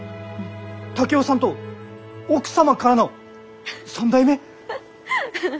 竹雄さんと奥様からの３代目？フフ。